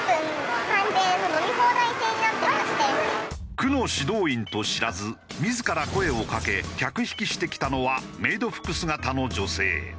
区の指導員と知らず自ら声を掛け客引きしてきたのはメイド服姿の女性。